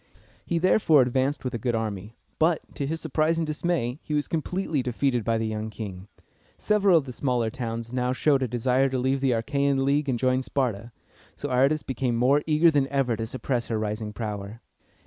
He therefore advanced with a good army; but, to his surprise and dismay, he was completely defeated by the young king. Several of the smaller towns now showed a desire to leave the Achæan League and join Sparta, so Aratus became more eager than ever to suppress her rising power.